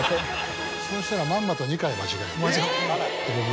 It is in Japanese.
そうしたらまんまと２回間違えて。